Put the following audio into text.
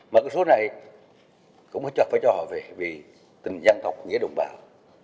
mở cửa số này cũng phải cho họ về vì tình dân tộc nghĩa đồng bào